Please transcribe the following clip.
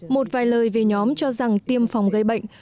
một vài lời về nhóm cho rằng tiêm phòng gây bệnh